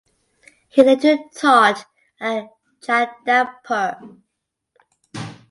He later taught at Jadavpur.